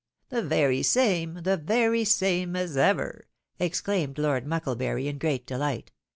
" The very same ! The very same as ever I " exclaimed Lord Mucklebury, in great delight.